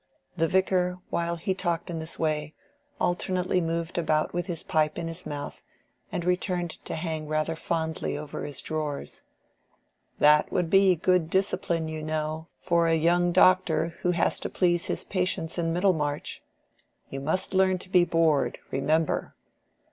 The Vicar, while he talked in this way, alternately moved about with his pipe in his mouth, and returned to hang rather fondly over his drawers. "That would be good discipline, you know, for a young doctor who has to please his patients in Middlemarch. You must learn to be bored, remember.